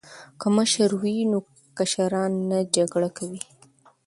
که مشره وي نو کشران نه جګړه کوي.